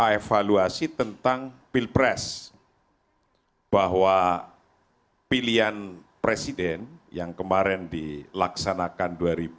evaluasi tentang pilpres bahwa pilihan presiden yang kemarin dilaksanakan dua ribu sembilan belas